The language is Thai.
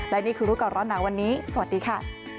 และนี่คือรู้ก่อนร้อนหนาวันนี้สวัสดีค่ะ